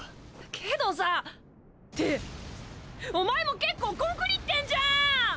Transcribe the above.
けどさってお前も結構コンクリってんじゃーん！